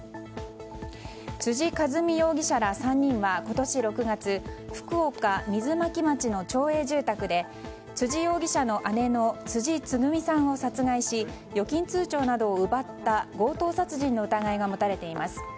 辻和美容疑者ら３人は今年６月福岡・水巻町の町営住宅で辻容疑者の姉の辻つぐみさんを殺害し預金通帳などを奪った強盗殺人の疑いが持たれています。